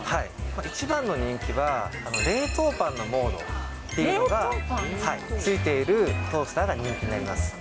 １番の人気は、冷凍パンのモードっていうのが付いているトースターが人気になります。